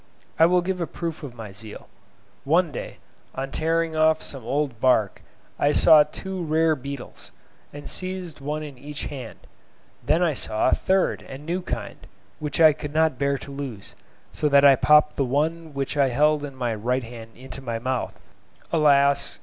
I will give a proof of my zeal: one day, on tearing off some old bark, I saw two rare beetles, and seized one in each hand; then I saw a third and new kind, which I could not bear to lose, so that I popped the one which I held in my right hand into my mouth. Alas!